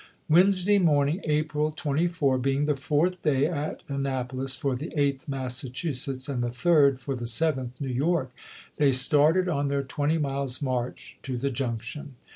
"Wednesday morning, April 24, being the fourth day at Annapolis for the Eighth Massachusetts and the third for the Seventh New York, they started on their twenty miles' march to the junc tion.